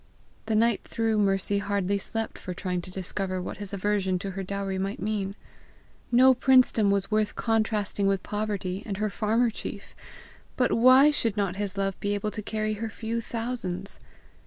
The night through Mercy hardly slept for trying to discover what his aversion to her dowry might mean. No princedom was worth contrasting with poverty and her farmer chief, but why should not his love be able to carry her few thousands?